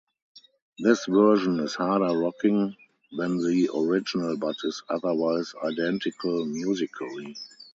This version is harder rocking than the original but is otherwise identical musically.